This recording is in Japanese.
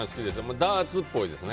ダーツっぽいですね。